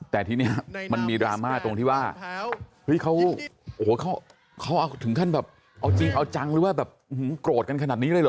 แต่ทีนี้มันมีดราม่าตรงที่ว่าเฮ้ยเขาถึงขั้นแบบเอาจริงเอาจังหรือว่าแบบโกรธกันขนาดนี้เลยเหรอ